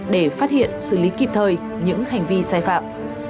để phát hiện xử lý kịp thời những hành vi sai phạm